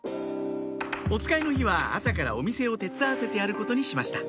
おつかいの日は朝からお店を手伝わせてやることにしました